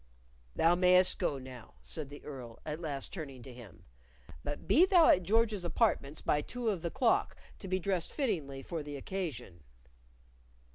"Thou mayst go now," said the Earl, at last turning to him. "But be thou at George's apartments by two of the clock to be dressed fittingly for the occasion."